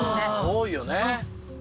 多いよね。